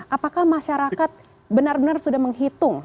apakah masyarakat benar benar sudah menghitung